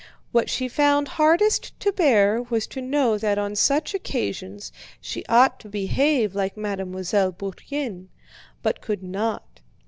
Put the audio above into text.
What she found hardest to bear was to know that on such occasions she ought to behave like Mademoiselle Bourienne, but could not.